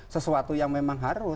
sesuatu yang memang harus